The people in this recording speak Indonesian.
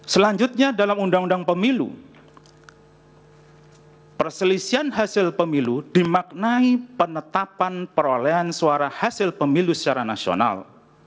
selanjutnya dalam undang undang pemilu perselisihan hasil pemilu dimaknai penetapan perolehan suara hasil pemilu secara nasional